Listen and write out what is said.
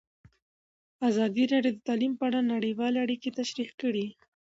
ازادي راډیو د تعلیم په اړه نړیوالې اړیکې تشریح کړي.